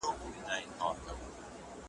د هغه مرحوم په ویر کي ولیکل`